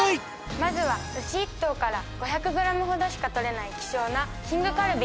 まずは牛一頭から５００グラムほどしか取れない希少なきんぐカルビ。